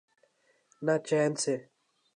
نہ چین سے۔